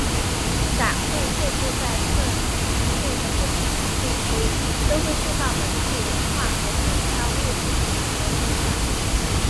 展会设计在世界的不同地区都会受到本地文化和地方物质水平的影响。